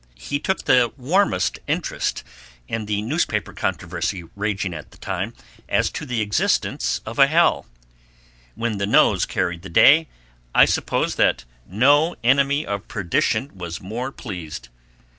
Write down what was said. He took the warmest interest in the newspaper controversy raging at the time as to the existence of a hell; when the noes carried the day, I suppose that no enemy of perdition was more pleased.